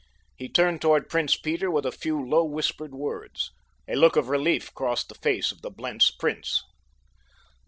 He turned toward Prince Peter with a few low whispered words. A look of relief crossed the face of the Blentz prince.